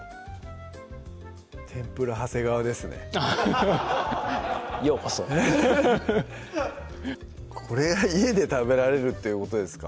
天ぷら長谷川ですねようこそフフッこれが家で食べられるっていうことですか？